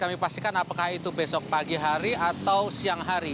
kami pastikan apakah itu besok pagi hari atau siang hari